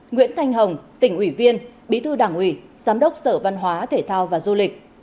nguyễn thanh hồng tỉnh ủy viên bí thư đảng ủy giám đốc sở văn hóa thể thao và du lịch